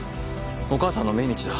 お母さんの命日だ。